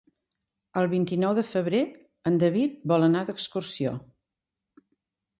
El vint-i-nou de febrer en David vol anar d'excursió.